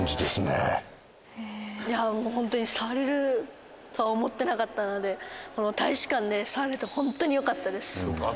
いやもう本当に触れるとは思ってなかったので大使館で触れて本当によかったです。